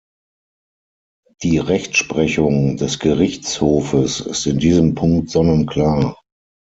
Die Rechtsprechung des Gerichtshofes ist in diesem Punkt sonnenklar.